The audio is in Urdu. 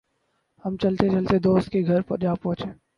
ہم چلتے چلتے دوست کے گھر پہنچے ۔